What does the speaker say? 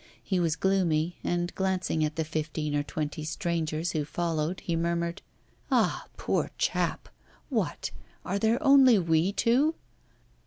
He was gloomy, and, glancing at the fifteen or twenty strangers who followed, he murmured: 'Ah! poor chap! What! are there only we two?